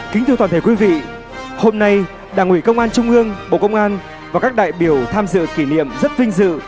kính thưa toàn thể quý vị hôm nay đảng ủy công an trung ương bộ công an và các đại biểu tham dự kỷ niệm rất vinh dự